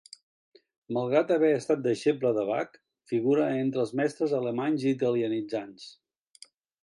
Malgrat haver estat deixeble de Bach, figura entre els mestres alemanys italianitzants.